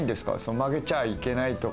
曲げちゃいけないとか。